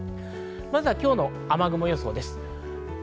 まずは今日の雨雲予想です。